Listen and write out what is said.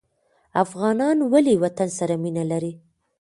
افغانان ولې وطن سره مینه لري؟